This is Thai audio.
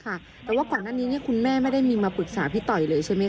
แต่ว่าก่อนหน้านี้คุณแม่ไม่ได้มีมาปรึกษาพี่ต่อยเลยใช่ไหมค